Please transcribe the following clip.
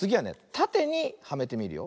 たてにはめてみるよ。